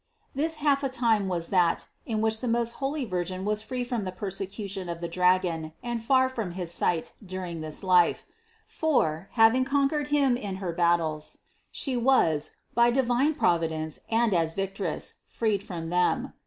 This half a time was that, in which the most holy Virgin was free from the persecution of the dragon and far from his sight during this life; for, having conquered him in her battles, She was, by divine providence and as Victress, freed from them.